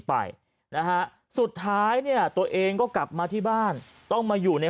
ไปนะฮะสุดท้ายเนี่ยตัวเองก็กลับมาที่บ้านต้องมาอยู่ใน